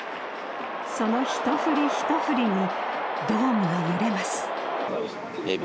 そのひと振りひと振りにドームが揺れます。